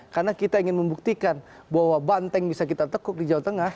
karena kita ingin membuktikan bahwa banteng bisa kita tekuk di jawa tengah